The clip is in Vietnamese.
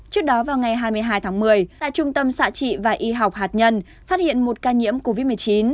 trước đó vào ngày hai mươi hai tháng một mươi tại trung tâm xạ trị và y học hạt nhân phát hiện một ca nhiễm covid một mươi chín